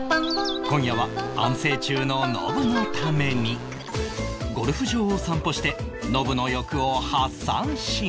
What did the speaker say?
今夜は安静中のノブのためにゴルフ場を散歩してノブの欲を発散します